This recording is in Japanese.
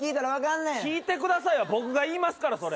「聴いてください」は僕が言いますから。